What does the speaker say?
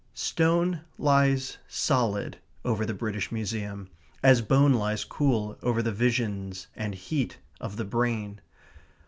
Stone lies solid over the British Museum, as bone lies cool over the visions and heat of the brain.